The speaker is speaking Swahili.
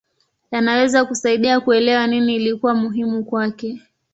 Yanaweza kusaidia kuelewa nini ilikuwa muhimu kwake.